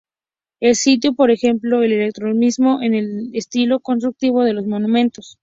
El sitio es ejemplo del eclecticismo en el estilo constructivo de los monumentos.